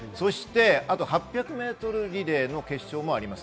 ８００ｍリレーの決勝もあります。